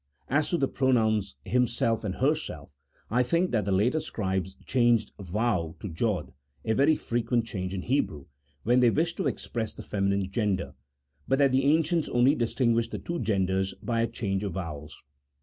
As to the pronouns himself and herself, I think that the later scribes changed vau into jocl (a very frequent change in Hebrew) when they wished to express the femi nine gender, but that the ancients only distinguished the two genders by a change of vowels.